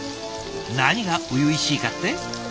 何が初々しいかって？